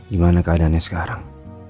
gimana keadaannya sekarang